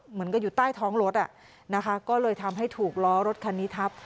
มันก็อยู่ใต้ท้องรถอ่ะนะคะก็เลยทำให้ถูกล้อรถคันนี้ทับ